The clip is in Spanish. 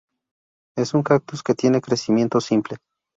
Es un cactus que tiene crecimiento simple.